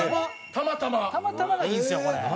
たまたまがいいんですよ。